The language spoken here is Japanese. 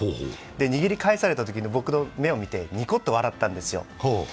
握り返されたとき僕の目を見てニコッと笑ったんですよ。